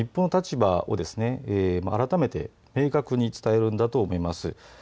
まずは日本の立場を改めて明確に伝えるんだと思います。